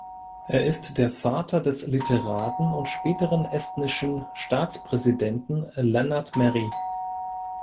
Er ist der Vater des Literaten und späteren estnischen Staatspräsidenten Lennart Meri.